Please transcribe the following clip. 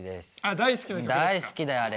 大好きだよあれ。